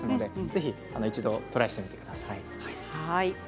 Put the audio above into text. ぜひ一度トライしてみてください。